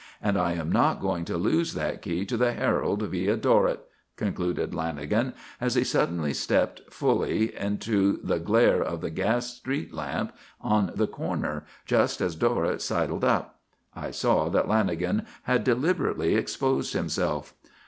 And I am not going to lose that key to the Herald via Dorrett," concluded Lanagan, as he suddenly stepped fully into the glare of the gas street lamp on the corner just as Dorrett sidled up. I saw that Lanagan had deliberately exposed himself.